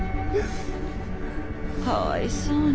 かわいそうに。